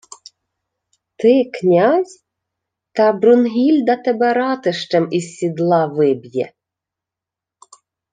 — Ти — князь? Та Брунгільда тебе ратищем із сідла виб'є!